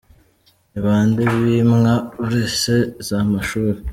– Ni bande bimwa buruse z’amashuri ?